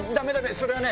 それはね。